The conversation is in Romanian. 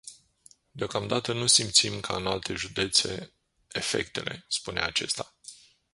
Deocamdată nu simțim ca în alte județe efectele, spune acesta.